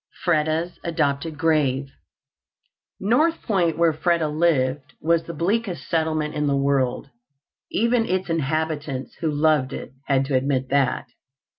Freda's Adopted GraveToC North Point, where Freda lived, was the bleakest settlement in the world. Even its inhabitants, who loved it, had to admit that.